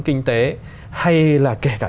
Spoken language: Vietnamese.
kinh tế hay là kể cả